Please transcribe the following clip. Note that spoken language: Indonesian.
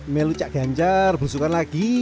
melu cak ganjar belusukan lagi